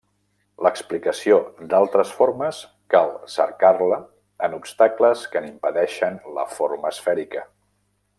L'explicació d'altres formes cal cercar-la en obstacles que n'impedeixen la forma esfèrica.